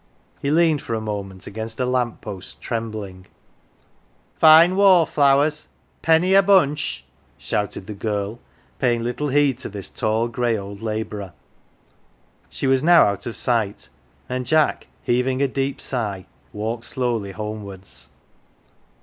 He leaned for a moment against a lamp post, trembling. " Fine wallflowers, a penny a bunch !" shouted the girl, paying little heed to this tall grey old labourer. She was now out of sight, and Jack, heaving a deep sigh, walked slowly homewards.